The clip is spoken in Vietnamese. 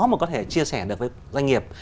mà có thể chia sẻ được với doanh nghiệp